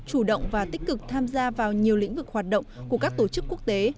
chủ động và tích cực tham gia vào nhiều lĩnh vực hoạt động của các tổ chức quốc tế